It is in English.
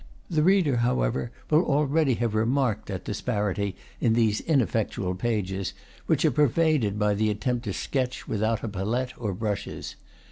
The reader, how ever, will already have remarked that disparity in these ineffectual pages, which are pervaded by the attempt to sketch without a palette or brushes.